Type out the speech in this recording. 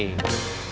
saya juga punya istri